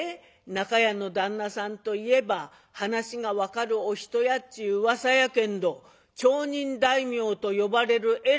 中屋の旦那さんといえば話が分かるお人やっちゅううわさやけんど町人大名と呼ばれる偉いお人なんやぞ。